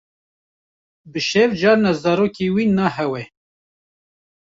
Bi şev carna zarokê wî nahewe.